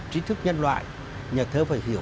trí thức nhân loại nhà thơ phải hiểu